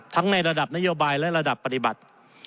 ในระดับนโยบายและระดับปฏิบัติ